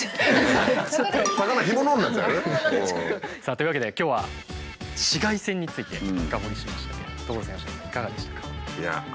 さあというわけで今日は紫外線について深掘りしましたけれど所さん佳乃さんいかがでしたか？